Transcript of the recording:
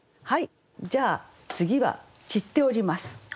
じゃあ次は散っております。